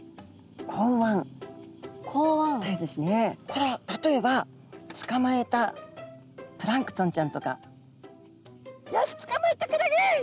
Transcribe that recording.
これは例えばつかまえたプランクトンちゃんとかよしつかまえたクラゲ。